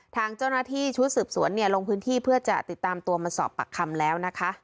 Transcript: ทางเจ้าหน้าที่ชุดสืบสวนเนี่ยลงพื้นที่เพื่อจะติดตามตัวมาสอบปากคำแล้วนะคะ